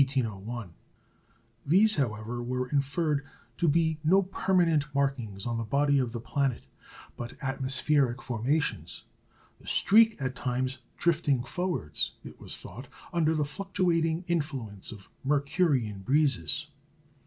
These, however, were inferred to be no permanent markings on the body of the planet, but atmospheric formations, the streak at times drifting forwards (it was thought) under the fluctuating influence of Mercurian breezes.